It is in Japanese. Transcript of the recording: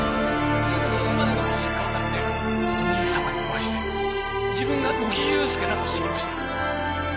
すぐに島根のご実家を訪ねお兄様にお会いして自分が乃木憂助だと知りました